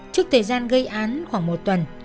trước thời gian gây án khoảng một tuần